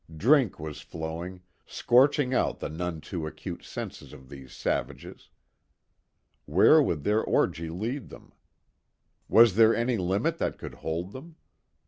Drink was flowing, scorching out the none too acute senses of these savages. Where would their orgy lead them? Was there any limit that could hold them?